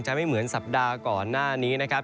ไม่เหมือนสัปดาห์ก่อนหน้านี้นะครับ